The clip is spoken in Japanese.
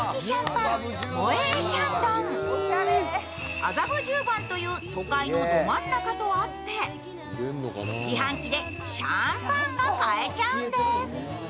麻布十番という都会のど真ん中とあって自販機でシャンパンが買えちゃうんです。